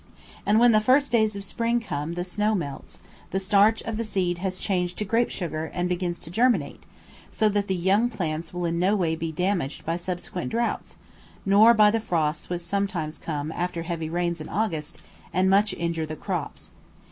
And when the first days of spring come the snow melts, the starch of the seed has changed to grape sugar, and begins to germinate; so that the young plants will in no way be damaged by subsequent droughts, nor by the frosts which sometimes come after heavy rains in August and much injure the crops.